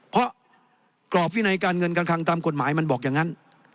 เพราะกรอบวินัยการเงินการคังตามกฎหมายมันบอกอย่างนั้น